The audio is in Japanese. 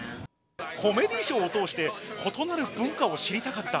コメディーショーを通して、異なる文化を知りたかった。